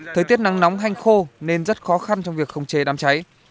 thời tiết nắng nóng hanh khô nên rất khó khăn trong việc khống chế đám cháy